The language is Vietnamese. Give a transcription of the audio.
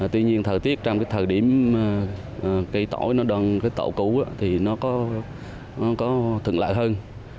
tuy nhiên thời tiết trong thời điểm tỏi đoàn tổ cú thì nó có thuận lợi hơn